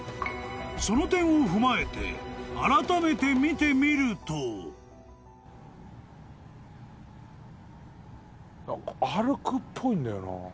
［その点を踏まえてあらためて見てみると］歩くっぽいんだよな。